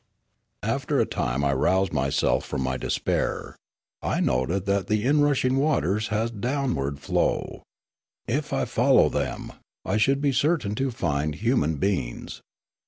After a time I roused myself from my despair. I noted that the inrushing waters had a downward flow. 3o6 Riallaro If I followed them, I should be certain to find human beings.